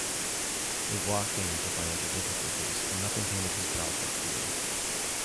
Louvois came into financial difficulties and nothing came of his project, either.